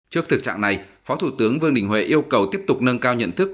trước thực trạng này phó thủ tướng vương đình huệ yêu cầu tiếp tục nâng cao nhận thức